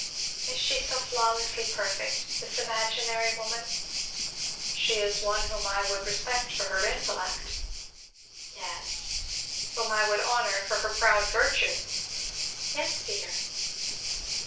"Is she so flawlessly perfect this imaginary woman?" "She is one whom I would respect for her intellect." "Yes." "Whom I would honor for her proud virtue." "Yes, Peter."